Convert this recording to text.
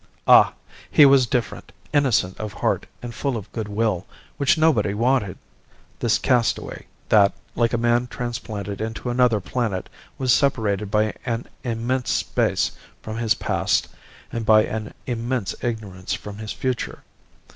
Ah! He was different: innocent of heart, and full of good will, which nobody wanted, this castaway, that, like a man transplanted into another planet, was separated by an immense space from his past and by an immense ignorance from his future.